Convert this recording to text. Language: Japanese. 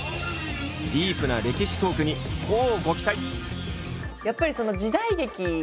ディープな歴史トークに乞うご期待！